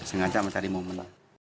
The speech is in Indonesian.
sengaja mencari momen itu